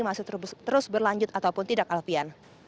masih terus berlanjut ataupun tidak alfian